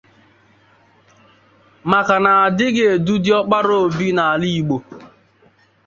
maka na a dịghị edu di ọkpara obi n'ala Igbo